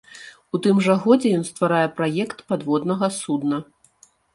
У тым жа годзе ён стварае праект падводнага судна.